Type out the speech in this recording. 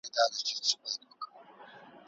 ایا په سهار کي د شیدو سره د بادامو خوړل ذهن قوي کوي؟